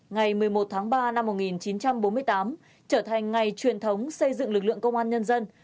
ngày một mươi một tháng ba năm một nghìn chín trăm bốn mươi tám trở thành ngày truyền thống xây dựng lực lượng công an nhân dân